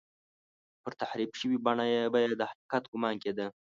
پر تحریف شوې بڼه به یې د حقیقت ګومان کېده.